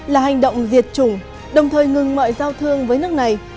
là hành động diệt chủng đồng thời ngừng mọi giao thương với nước này